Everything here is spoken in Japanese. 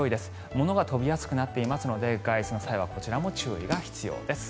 物が飛びやすくなっていますので外出の際はこちらも注意が必要です。